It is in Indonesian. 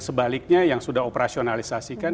sebaliknya yang sudah operasionalisasikan